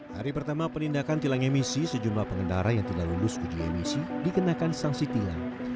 hari pertama penindakan tilang emisi sejumlah pengendara yang tidak lulus uji emisi dikenakan sanksi tilang